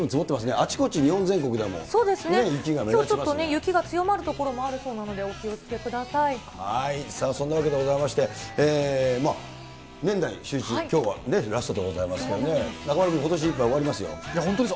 あちこち、雪が強まる所もあるそうなのそんなわけでございまして、年内シューイチ、きょうがラストでございまして、中丸君、ことしいっぱい終わりま本当です。